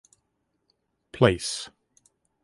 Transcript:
Place.